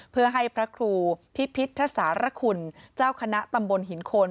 เพื่อให้พระครูพิพิธสารคุณเจ้าคณะตำบลหินโคน